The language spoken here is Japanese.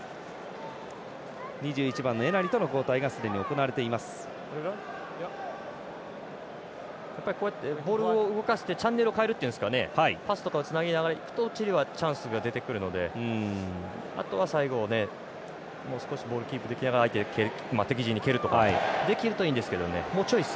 ２１番のエナリとの交代がこうやってボールを動かしてチャンネルを替えるっていうんですかパスをつなぎながらだとチリはチャンスが出てくるのであとは最後、もう少しボールキープしながら敵陣に蹴るということができればいいんですけどね。